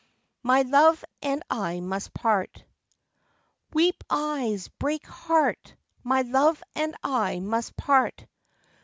MY LOVE AND I MUST PART. Weep eyes, break heart! My love and I must part.